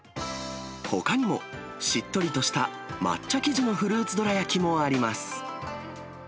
ほかにも、しっとりとした抹茶生地のフルーツどら焼きもあります。